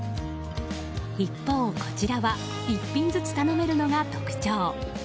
一方、こちらは１品ずつ頼めるのが特徴。